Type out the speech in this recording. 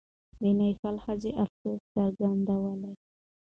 د نېپال ښځې افسوس څرګندولی.